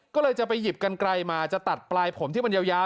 ก็เลยจะไปหยิบกันไกลมา